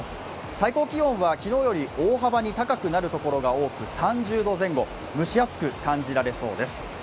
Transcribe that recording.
最高気温は昨日より大幅に高くなるところが多く、３０度前後、蒸し暑く感じられそうです。